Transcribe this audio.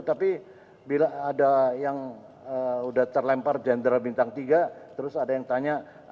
tapi bila ada yang sudah terlempar jenderal bintang tiga terus ada yang tanya